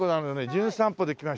『じゅん散歩』で来ましたね